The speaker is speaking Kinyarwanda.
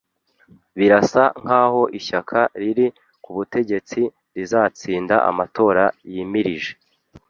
Birasa nkaho ishyaka riri kubutegetsi rizatsinda amatora yimirije